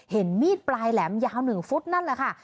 เห็นมีดปลายแหลมยาว๑ฟุตนั่นแหละค่ะ